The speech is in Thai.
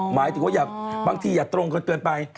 หมายถึงว่าบางทีอย่าตรงกันเกินไป